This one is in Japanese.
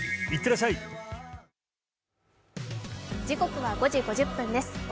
時刻は５時５０分です。